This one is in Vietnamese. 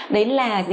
đấy là gì